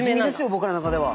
僕らの中では。